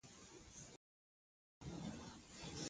چې د هر څه نه بهتره دی او ثواب پرې حاصلیږي.